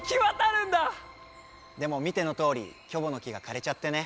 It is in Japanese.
でも見てのとおりキョボの木がかれちゃってね。